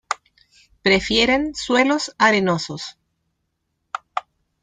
Prefieren suelos arenosos.